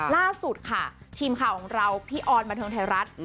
ล่าสุดค่ะทีมข่าวของเราพี่ออนบันเทิงไทยรัฐ